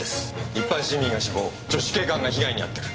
一般市民が死亡女子警官が被害に遭ってる。